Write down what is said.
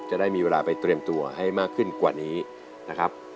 จะได้มีเวลาไปเตรียมตัวให้มากขึ้นกว่านี้นะครับ